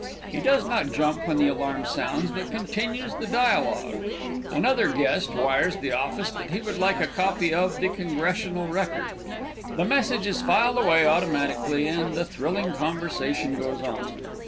He does not jump when the alarm sounds, but continues the dialogue. Another guest wires the office that he would like a copy of the Congressional Record. The message is filed away automatically, and the thrilling conversation goes on.